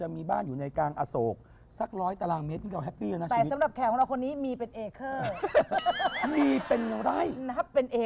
มีบุญจริงหรือเปล่า